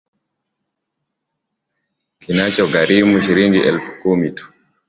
Kinachogharimu shilingi elfu kumi tu?